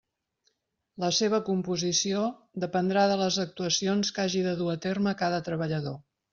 La seva composició dependrà de les actuacions que hagi de dur a terme cada treballador.